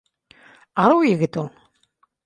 Арыу егет ул